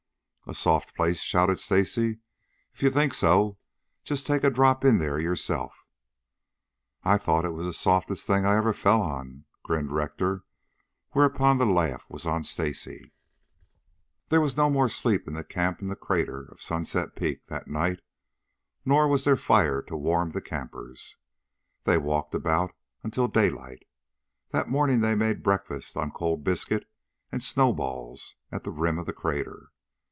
"A soft place?" shouted Stacy. "If you think so, just take a drop in there yourself." "I thought it was the softest thing I ever fell on," grinned Rector, whereupon the laugh was on Stacy. There was no more sleep in the camp in the crater of Sunset Peak that night. Nor was there fire to warm the campers. They walked about until daylight. That morning they made a breakfast on cold biscuit and snowballs at the rim of the crater.